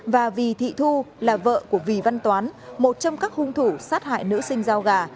và vì thị thu là vợ của vì văn toán một trong các hung thủ sát hại nữ sinh giao gà